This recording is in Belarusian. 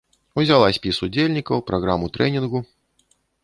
Узяла спіс удзельнікаў, праграму трэнінгу.